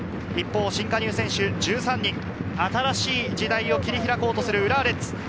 一方、新加入選手１３人、新しい時代を切り開こうとする浦和レッズ。